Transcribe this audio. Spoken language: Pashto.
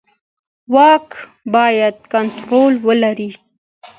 واک باید کنټرول ولري